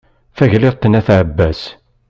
Tagliḍt n at ɛebbas